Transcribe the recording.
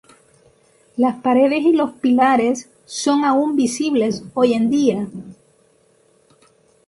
Las paredes y los pilares son aún visibles hoy en día.